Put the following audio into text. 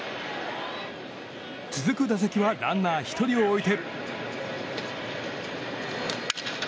続く打席はランナー１人を置いて。